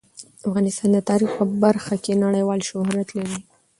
افغانستان د تاریخ په برخه کې نړیوال شهرت لري.